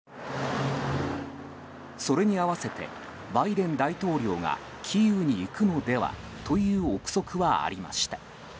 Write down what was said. それに合わせてバイデン大統領がキーウに行くのではとの憶測はありました。